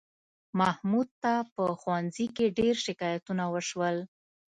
محمود ته په ښوونځي کې ډېر شکایتونه وشول